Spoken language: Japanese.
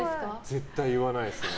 絶対言わないですね。